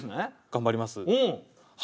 頑張ります。